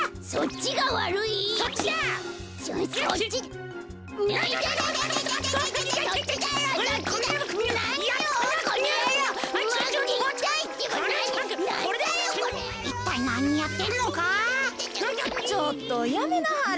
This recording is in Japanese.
ちょっとやめなはれ。